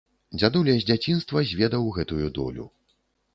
Дзядуля з дзяцінства зведаў гэтую долю.